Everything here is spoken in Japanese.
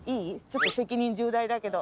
ちょっと責任重大だけど。